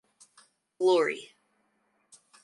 Glory!